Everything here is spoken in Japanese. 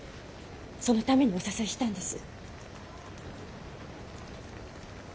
そのためにお誘いしたんです。